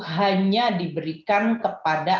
hanya diberikan kepada